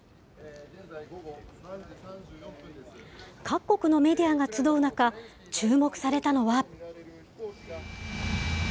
各国のメディアが集う中、注目されたのは。